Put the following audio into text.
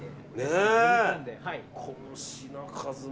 この品数も。